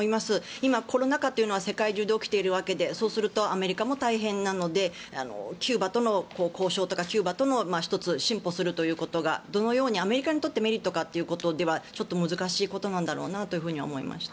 今、コロナ禍というのは世界中で起きているわけでそうするとアメリカも大変なのでキューバとの交渉とかキューバとの、１つ進歩するということがどのようにアメリカにとってメリットかということではちょっと難しいことなんだろうと思いました。